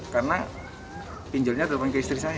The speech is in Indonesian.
karena pinjolnya terbang ke istri saya